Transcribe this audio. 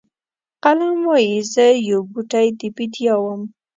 قلم وایي زه یو بوټی د بیدیا وم.